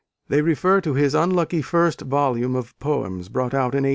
They refer to his unlucky first volume of poems, brought out in 1817.